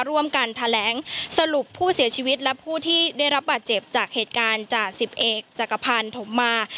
ร่วมกันแถลงสรุปผู้เสียชีวิตและผู้ที่ได้รับบาดเจ็บจากเหตุการณ์จ่าสิบเอกจักรพันธ์ถมมา